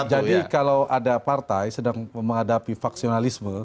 jadi kalau ada partai sedang menghadapi vaksinalisme